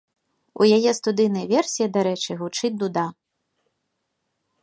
У яе студыйнай версіі, дарэчы, гучыць дуда.